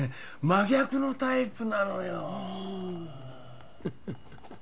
真逆のタイプなのよ